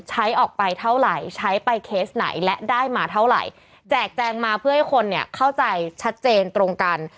ใช้ออกไปเท่าไหร่ใช้ไปเคสไหนและได้มาเท่าไหร่แจกแจงมาเพื่อให้คนเนี่ยเข้าใจชัดเจนตรงกัน